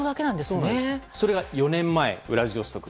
それが４年前のウラジオストク